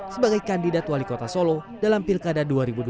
sebagai kandidat wali kota solo dalam pilkada dua ribu dua puluh